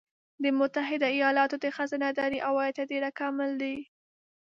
د متحده ایالاتو د خزانه داری عواید تر ډېره کامل دي